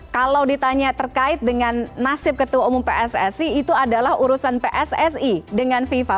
kalau ditanya terkait dengan nasib ketua umum pssi itu adalah urusan pssi dengan fifa